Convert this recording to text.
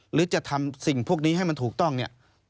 หรือจะทำสิ่งพวกนี้ให้มันถูกต้องเนี่ย